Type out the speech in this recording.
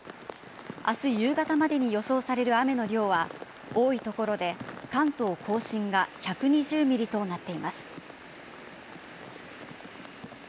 あす夕方までに予想される雨の量は多い所で関東甲信が１２０ミリとなっています。